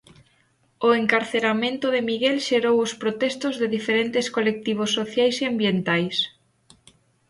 O encarceramento de Miguel xerou os protestos de diferentes colectivos sociais e ambientais.